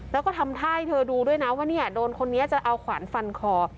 แล้วก็ทำท่าให้เธอดูด้วยนะว่าเนี่ยโดนคนนี้จะเอาขวานฟันคอ